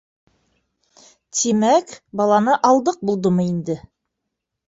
Тимәк, баланы алдыҡ булдымы инде?